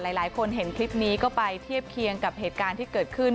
หลายคนเห็นคลิปนี้ก็ไปเทียบเคียงกับเหตุการณ์ที่เกิดขึ้น